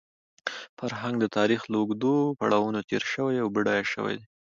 فرهنګ د تاریخ له اوږدو پړاوونو تېر شوی او بډایه شوی دی.